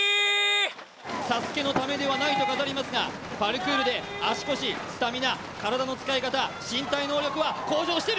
ＳＡＳＵＫＥのためではないと語りますが、パルクールで足腰、体の使い方、身体能力は向上している。